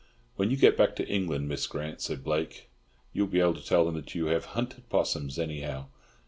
"When you go back to England, Miss Grant," said Blake, "you will be able to tell them that you have hunted 'possums, anyhow.